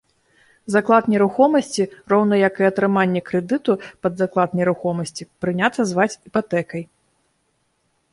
Заклад нерухомасці, роўна як і атрыманне крэдыту пад заклад нерухомасці, прынята зваць іпатэкай.